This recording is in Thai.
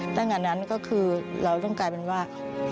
ตั้งแต่นั้นก็คือเราต้องกลายเป็นว่า